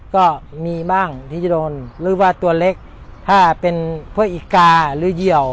ก็มีบ้างที่จะโดนหรือว่าตัวเล็กถ้าเป็นพวกอีกาหรือเหี่ยว